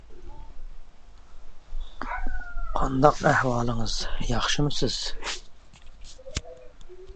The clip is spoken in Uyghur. تەرجىمە ئىقتىدارىمغا بەرگەن باھايىڭىزغا كۆپ رەھمەت!